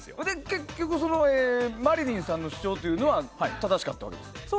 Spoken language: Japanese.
結局、マリリンさんの主張は正しかったわけですか？